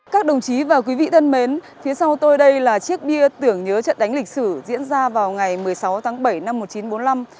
các đồng chí và quý vị thân mến phía sau tôi đây là chiếc bia tưởng nhớ trận đánh lịch sử diễn ra vào ngày một mươi sáu tháng bảy năm một nghìn chín trăm bốn mươi năm